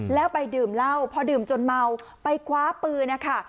แล้วไปดื่มเหล้าพอดื่มจนเมาไปคว้าปืนนะคะ